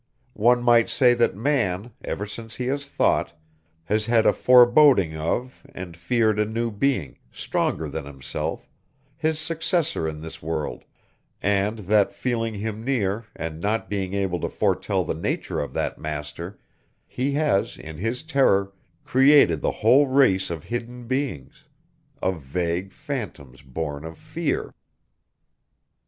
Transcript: One might say that man, ever since he has thought, has had a foreboding of, and feared a new being, stronger than himself, his successor in this world, and that, feeling him near, and not being able to foretell the nature of that master, he has, in his terror, created the whole race of hidden beings, of vague phantoms born of fear.